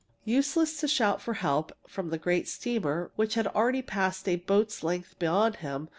Useless to shout for help from the great steamer, which had already passed a boat's length beyond him.